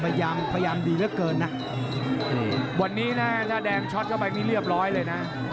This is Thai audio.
พยายามพยายามดีเหลือเกินนะวันนี้นะถ้าแดงช็อตเข้าไปนี่เรียบร้อยเลยนะ